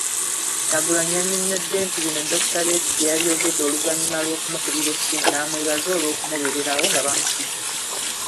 Kyagulanyi yannyonnyodde nti bino Dokita Besigye yabyogedde oluvannyuma lw'okumukubira essimu n'amwebaza olw'okumubererawo nga bamusibye.